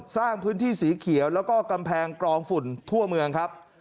สร้างพื้นที่สีเขียวแล้วก็กำแพงกรองฝุ่นทั่วเมืองครับ